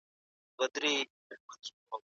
ايا د اسلامي نهضت تاريخ په پوره دقت ليکل شوی دی؟